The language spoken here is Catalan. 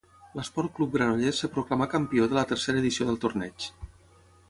L'Esport Club Granollers es proclamà campió de la tercera edició del torneig.